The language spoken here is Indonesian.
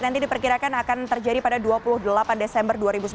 nanti diperkirakan akan terjadi pada dua puluh delapan desember dua ribu sembilan belas